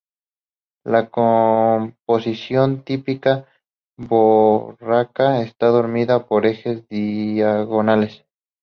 La composición, típicamente barroca, está dominada por ejes diagonales.